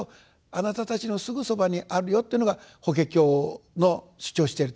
貴方たちのすぐそばにあるよ」というのが法華経の主張しているところ。